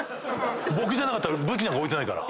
僕じゃなかったら武器なんか置いてないから。